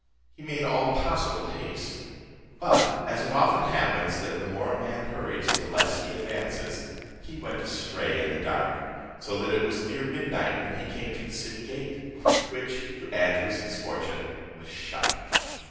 He made all possible haste; but, as it often happens that the more a man hurries the less he advances, he went astray in the dark, so that it was near midnight when he came to the city gate; which, to add to his misfortune, was shut.